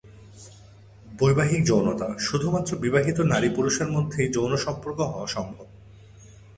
বৈবাহিক যৌনতা: শুধুমাত্র বিবাহিত নারী পুরুষের মধ্যেই যৌন সম্পর্ক হওয়া সম্ভব।